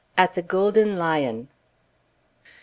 AT THE GOLDEN LION. Mr.